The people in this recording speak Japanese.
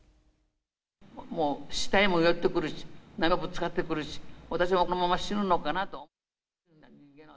もう死体も寄ってくるし、波もぶつかってくるし、私はこのまま死ぬのかなと思った。